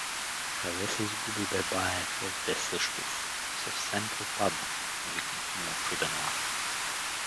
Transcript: — Къде се изгуби, бе бае Вездесъщов, съвсем пропадна — викнах му учудено аз.